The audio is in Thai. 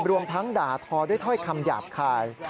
รวมทั้งด่าทอด้วยถ้อยคำหยาบคาย